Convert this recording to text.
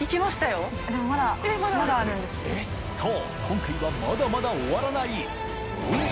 今回はまだまだ終わらない森川）